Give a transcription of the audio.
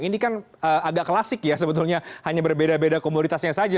ini kan agak klasik ya sebetulnya hanya berbeda beda komoditasnya saja